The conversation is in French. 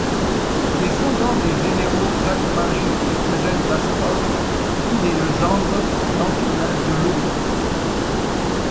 Descendant des généraux Jacques-Marie et Eugène d'Astorg, il est le gendre d'Antonin Deloume.